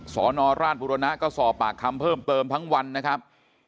สนราชบุรณะก็สอบปากคำเพิ่มเติมทั้งวันนะครับ